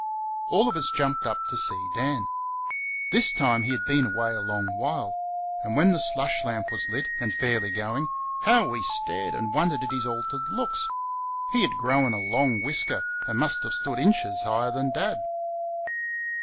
All of us jumped up to see Dan. This time he had been away a long while, and when the slush lamp was lit and fairly going, how we stared and wondered at his altered looks! He had grown a long whisker, and must have stood inches higher than Dad.